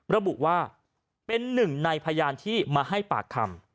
ระบุว่าเป็นหนึ่งในพยานที่มาให้ปากคำ